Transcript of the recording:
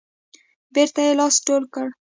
بیرته یې لاس ټول کړ.